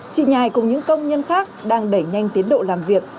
chị nhài cùng những công nhân khác đang đẩy nhanh tiến độ làm việc